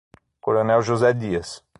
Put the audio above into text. Coronel José Dias